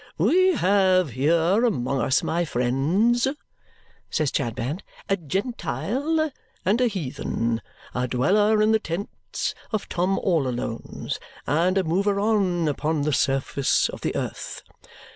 "We have here among us, my friends," says Chadband, "a Gentile and a heathen, a dweller in the tents of Tom all Alone's and a mover on upon the surface of the earth.